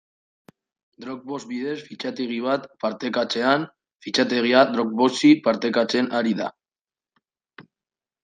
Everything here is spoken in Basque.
Dropbox bidez fitxategi bat partekatzean, fitxategia Dropboxi partekatzen ari da.